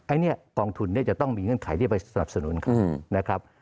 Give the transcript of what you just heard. อันนี้กองทุนเนี่ยจะต้องมีเงื่อนไขที่ไปสนับสนุนเขานะครับ